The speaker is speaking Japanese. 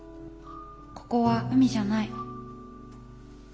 ここは海じゃない。